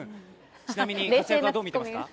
ちなみに、どう見ていますか？